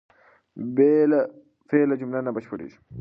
بې له فعله جمله نه بشپړېږي.